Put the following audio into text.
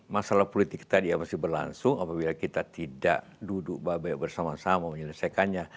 masalah politik tadi yang masih berlangsung apabila kita tidak duduk babak bersama sama menyelesaikannya